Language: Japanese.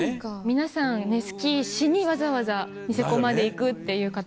皆さんスキーしにわざわざニセコまで行くって方が多いので。